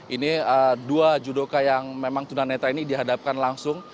ini dua judoka yang memang tunanetra ini dihadapkan langsung